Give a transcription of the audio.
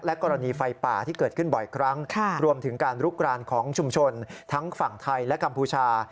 กรณีไฟป่าที่เกิดขึ้นบ่อยครั้งรวมถึงการลุกรานของชุมชนทั้งฝั่งไทยและกัมพูชา